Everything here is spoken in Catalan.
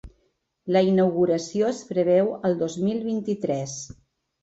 La inauguració es preveu el dos mil vint-i-tres.